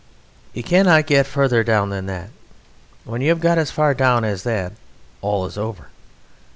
You cannot get further down than that. When you have got as far down as that all is over.